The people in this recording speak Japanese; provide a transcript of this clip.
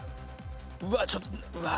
うわっちょっとうわ。